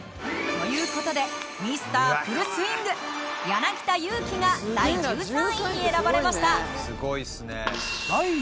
という事でミスターフルスイング柳田悠岐が第１３位に選ばれました。